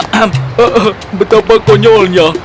hehehe betapa konyolnya